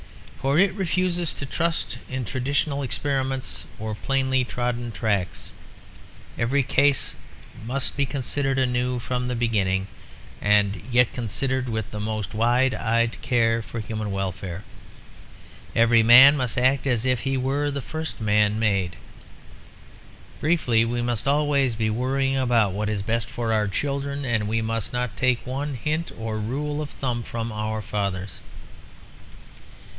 For it refuses to trust in traditional experiments or plainly trodden tracks; every case must be considered anew from the beginning, and yet considered with the most wide eyed care for human welfare; every man must act as if he were the first man made. Briefly, we must always be worrying about what is best for our children, and we must not take one hint or rule of thumb from our fathers.